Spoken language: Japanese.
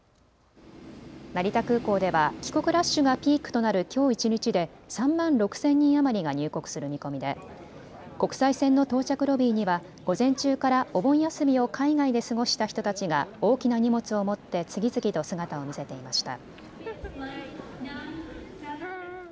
成田空港では帰国ラッシュがピークとなるきょう一日で３万６０００人余りが入国する見込みで、国際線の到着ロビーには午前中からお盆休みを海外で過ごした人たちが大きな荷物を持って次々と姿を見せていました。